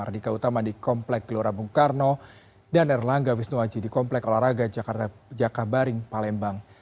radika utama di komplek gelora bung karno dan erlangga wisnuaji di komplek olahraga jakarta jakabaring palembang